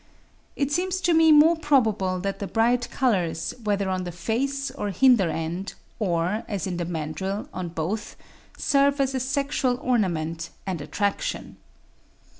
It seems to me more probable that the bright colours, whether on the face or hinder end, or, as in the mandrill, on both, serve as a sexual ornament and attraction.